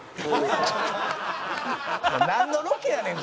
なんのロケやねん？